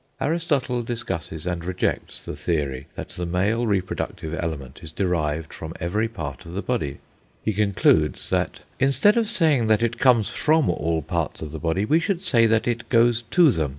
Aristotle discusses and rejects the theory that the male reproductive element is derived from every part of the body. He concludes that "instead of saying that it comes from all parts of the body, we should say that it goes to them.